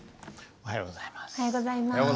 おはようございます。